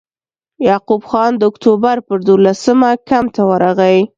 یعقوب خان د اکټوبر پر دولسمه کمپ ته ورغی.